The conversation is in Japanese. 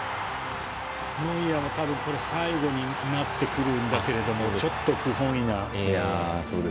ノイアーは最後になってくるんだけどちょっと不本意な。